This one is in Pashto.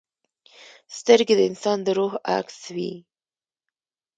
سترګې د انسان د روح عکس وي